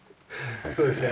そうですね。